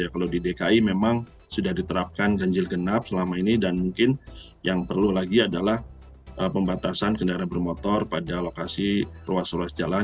kalau di dki memang sudah diterapkan ganjil genap selama ini dan mungkin yang perlu lagi adalah pembatasan kendaraan bermotor pada lokasi ruas ruas jalan